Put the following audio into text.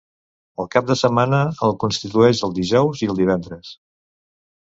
El cap de setmana el constitueix el dijous i el divendres.